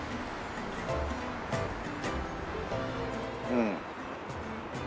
うん。